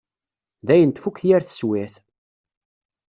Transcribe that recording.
Dayen tfukk yir teswiεt.